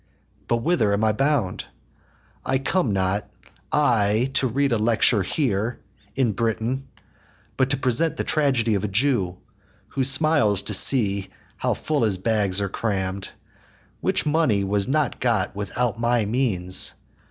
But whither am I bound? I come not, I, To read a lecture here in Britain, But to present the tragedy of a Jew, Who smiles to see how full his bags are cramm'd; Which money was not got without my means.